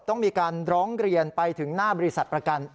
ต้องมีการร้องเรียนไปถึงหน้าบริษัทประกัน